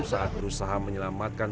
saat berusaha menyelamatkan